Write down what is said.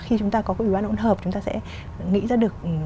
khi chúng ta có cái ưu án ổn hợp chúng ta sẽ nghĩ ra được